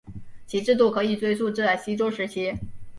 其制度可以追溯至西周时期。